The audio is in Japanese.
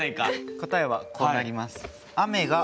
答えはこうなります。